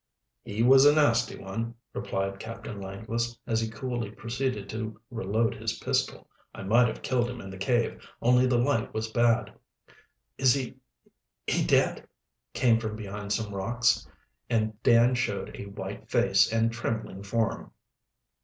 "He was a nasty one," replied Captain Langless, as he coolly proceeded to reload his pistol. "I might have killed him in the cave, only the light was bad." "Is he he dead?" came from behind some rocks, and Dan showed a white face and trembling form.